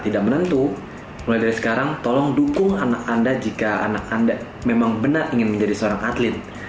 tidak menentu mulai dari sekarang tolong dukung anak anda jika anak anda memang benar ingin menjadi seorang atlet